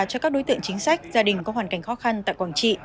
cho các đối tượng chính sách gia đình có hoàn cảnh khó khăn tại quảng trị